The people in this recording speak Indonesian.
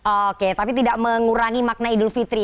oke tapi tidak mengurangi makna idul fitri